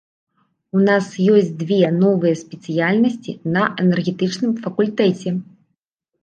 У нас ёсць дзве новыя спецыяльнасці на энергетычным факультэце.